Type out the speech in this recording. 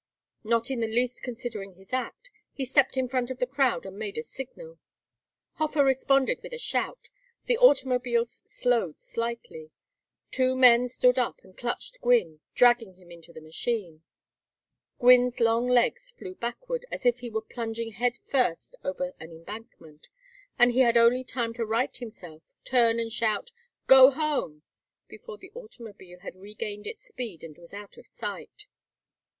Not in the least considering his act, he stepped in front of the crowd and made a signal. Hofer responded with a shout, the automobile slowed slightly, two men stood up and clutched Gwynne, dragging him into the machine. Gwynne's long legs flew backward as if he were plunging head first over an embankment, and he had only time to right himself, turn and shout "Go home," before the automobile had regained its speed and was out of sight.